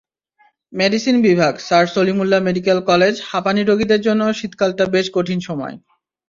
Medicine বিভাগ, sir Salimullah medical কলেজহাঁপানি রোগীদের জন্য শীতকালটা বেশ কঠিন সময়।